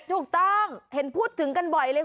ถูกต้องเห็นพูดถึงกันบ่อยเลย